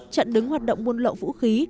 chặn đứng hoạt động muôn lộ vũ khí